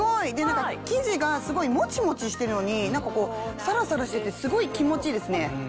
何か生地がすごいモチモチしてるのにサラサラしててすごい気持ちいいですね。